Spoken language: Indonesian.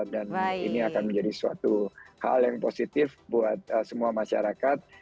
dan ini akan menjadi suatu hal yang positif buat semua masyarakat